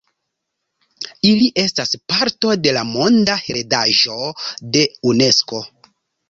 Ili estas parto de la Monda heredaĵo de Unesko.